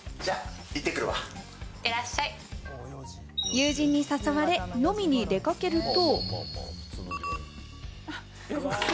友人に誘われ飲みに出掛けると。